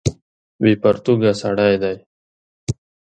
بې پرتوګه سړی دی.